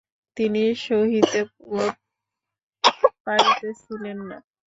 তিনি সহিতে পারিতেছিলেন না।